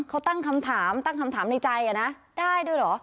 เขาตั้งคำถามตั้งคำถามในใจนะได้ด้วยเหรอ